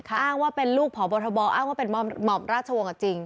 อ้างว่าเป็นลูกพบทบอ้างว่าเป็นหม่อมราชวงศ์จริง